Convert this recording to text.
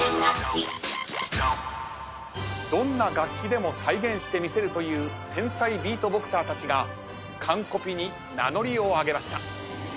どんな楽器でも再現してみせるという天才ビートボクサーたちがカンコピに名乗りを上げました。